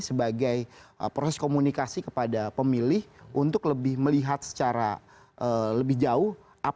sebagai proses komunikasi kepada pemilih untuk lebih melihat secara lebih jauh